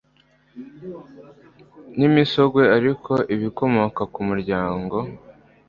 nimisogwe ariko ibikomoka ku muryango